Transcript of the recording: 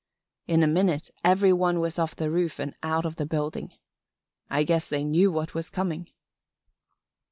In a minute every one was off the roof and out of the building. I guess they knew what was coming.